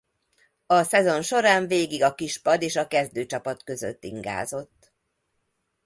A szezon során végig a kispad és a kezdőcsapat között ingázott.